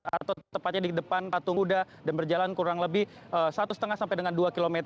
atau tepatnya di depan patung kuda dan berjalan kurang lebih satu lima sampai dengan dua km